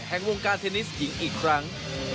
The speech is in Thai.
แห่งวงการเทนนิสหญิงอีกครั้ง